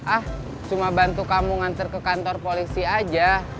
ah cuma bantu kamu nganter ke kantor polisi aja